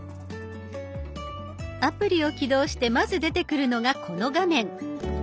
アプリを起動してまず出てくるのがこの画面。